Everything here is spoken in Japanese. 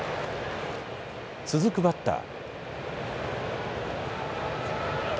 続くバッター。